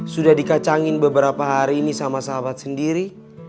sudah dikacangin beberapa hari ini sama sahabat sendiri